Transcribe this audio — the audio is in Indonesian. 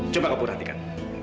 coba kamu perhatikan